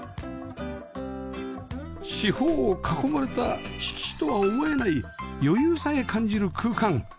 四方を囲まれた敷地とは思えない余裕さえ感じる空間